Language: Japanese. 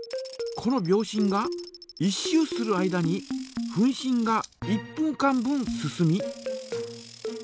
この秒針が１周する間に分針が１分間分進み。